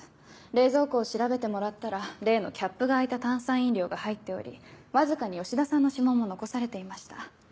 冷蔵庫を調べてもらったら例のキャップが開いた炭酸飲料が入っておりわずかに吉田さんの指紋も残されていました。